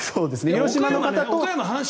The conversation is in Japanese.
広島の方と。